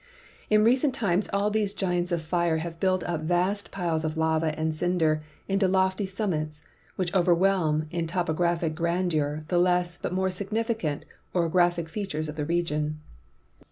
In recent times all these giants of fire have built up vast piles of lava and cinder into lofty summits, which overwhelm in topographic grandeur the lesser but more significant orographic features of the region.